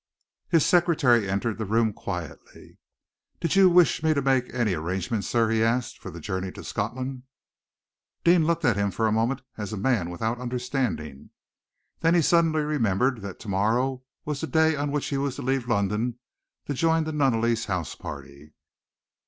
His secretary entered the room quietly. "Did you wish me to make any arrangements, sir," he asked, "for the journey to Scotland?" Deane looked at him for a moment as a man without understanding. Then he suddenly remembered that to morrow was the day on which he was to leave London to join the Nunneley's house party.